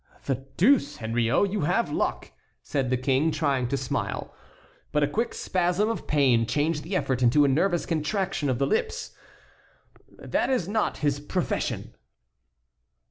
"The deuce, Henriot, you have luck," said the King, trying to smile. But a quick spasm of pain changed the effort into a nervous contraction of the lips. "That is not his profession."